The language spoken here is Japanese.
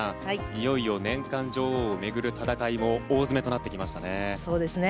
いよいよ年間女王を巡る戦いも大詰めとなってきましたね。